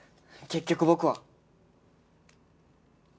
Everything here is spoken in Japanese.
結局僕は。